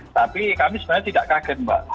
tapi kami sebenarnya tidak kaget mbak